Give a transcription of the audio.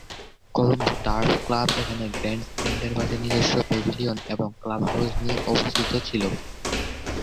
Colombo turf club এখানে grand স্ট্যান্ডের পাশে নিজস্ব প্যাভিলিয়ন এবং ক্লাব হাউস নিয়ে অবস্থিত ছিল।